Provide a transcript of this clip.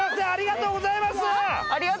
ありがとうございます。